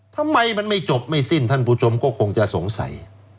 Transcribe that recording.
ทำไมมันไม่จบไม่สิ้นท่านผู้ชมก็คงจะสงสัย